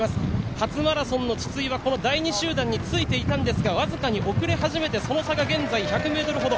初マラソンの筒井はこの第２集団についていたんですがわずかに遅れ始めてその差が現在、１００ｍほど。